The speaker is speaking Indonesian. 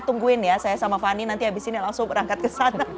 tungguin ya saya sama fani nanti abis ini langsung berangkat ke sana